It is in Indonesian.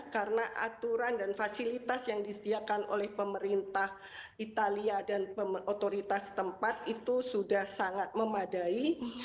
karena aturan dan fasilitas yang disediakan oleh pemerintah italia dan otoritas tempat itu sudah sangat memadai